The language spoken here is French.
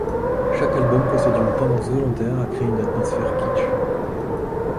Chaque album possède une tendance volontaire à créer une atmosphère kitsch.